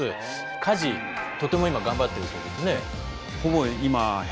家事とても今頑張ってるそうですね。